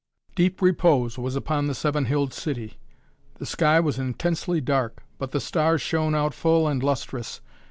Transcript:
Deep repose was upon the seven hilled city. The sky was intensely dark, but the stars shone out full and lustrous.